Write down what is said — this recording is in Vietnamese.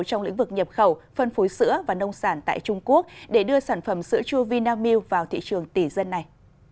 trong lĩnh vực nhập khẩu phân phối sữa và nông sản tại trung quốc để đưa sản phẩm sữa chua vinamilk vào thị trường tỷ dân này